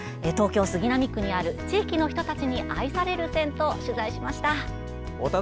東京・杉並区にある地域の人たちに愛される銭湯取材しました。